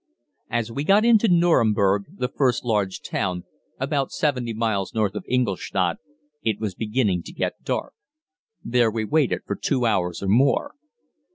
As we got into Nüremberg, the first large town, about 70 miles north of Ingolstadt, it was beginning to get dark. There we waited for two hours or more.